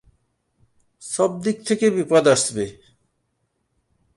সব দিক থেকে বিপদ আসবে।